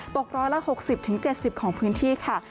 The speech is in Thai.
ตกร้อยละ๖๐๗๐ของพื้นที่ค่ะ